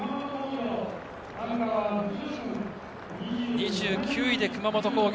２９位で熊本工業。